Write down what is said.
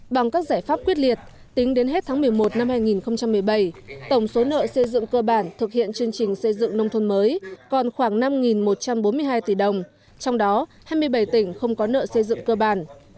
bằng các giải pháp quyết liệt tính đến hết tháng một mươi một năm hai nghìn một mươi bảy tổng số nợ xây dựng cơ bản thực hiện chương trình xây dựng nông thôn mới còn khoảng năm một trăm bốn mươi hai tỷ đồng trong đó hai mươi bảy tỉnh không có nợ xây dựng cơ bản